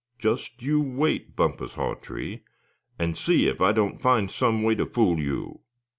Just you wait, Bumpus Hawtree, and see if I don't find some way to fool you.